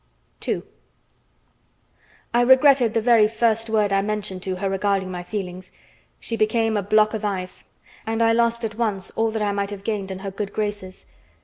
II I regretted the very first word I mentioned to her regarding my feelings. She became a block of ice, and I lost at once all that I might have gained in her good graces.